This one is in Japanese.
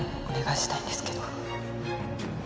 お願いしたいんですけど。